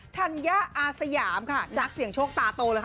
ธัญญาอาสยามค่ะนักเสี่ยงโชคตาโตเลยค่ะ